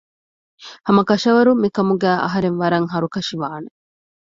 ހަމަކަށަވަރުން މިކަމުގައި އަހުރެން ވަރަށް ހަރުކަށިވާނެ